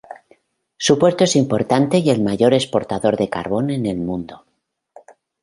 Su puerto es importante y el mayor exportador de carbón en el mundo.